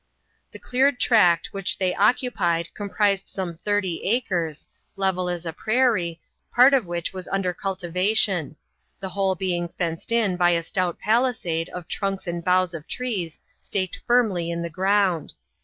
The cleared tract which they occupied comprised some thirty acres, level as a prairie, part of which was under cultiva tion ; the whole being fenced in by a stout palisade of trunks and boughs of trees staked firmly in the ground.